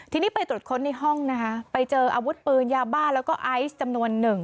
ทีนี้ไปตรวจค้นในห้องนะคะไปเจออาวุธปืนยาบ้าแล้วก็ไอซ์จำนวนหนึ่ง